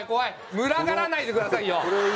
群がらないでくださいよ！